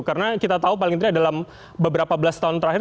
karena kita tahu paling tidak dalam beberapa belas tahun terakhir